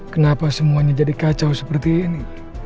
kenapa semuanya jadi kacau seperti ini